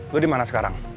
gue dimana sekarang